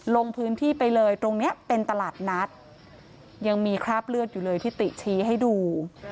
ลงพื้นที่ไปเลยตรงเนี้ยเป็นตลาดนัดยังมีคราบเลือดอยู่เลยที่ติชี้ให้ดู